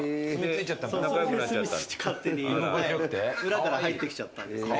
裏から入ってきちゃったんです。